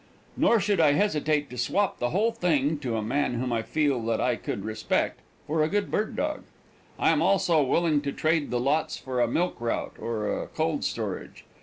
Nor should I hesitate to swap the whole thing, to a man whom I felt that I could respect, for a good bird dog. I am also willing to trade the lots for a milk route or a cold storage.